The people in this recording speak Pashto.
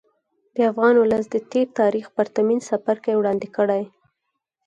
د افغان ولس د تېر تاریخ پرتمین څپرکی وړاندې کړي.